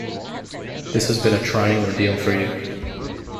This has been a trying ordeal for you.